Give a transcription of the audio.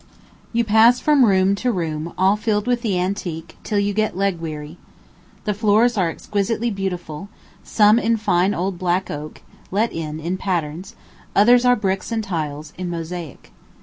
You pass from room, to room, all filled with the antique, till you get leg weary. The floors are exquisitely beautiful some in fine old black oak, let in, in patterns; others are bricks and tiles, in mosaic.